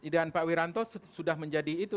dan pak wiranto sudah menjadi itu